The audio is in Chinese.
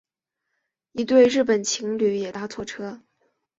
一对日本情侣也搭错车